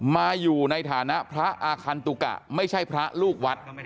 มาอยู่ในฐานะพระอาคันตุกะไม่ใช่พระลูกวัด